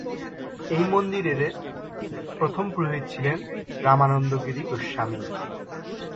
এই মন্দিরের প্রথম পুরোহিত ছিলেন রামানন্দ গিরি গোস্বামী।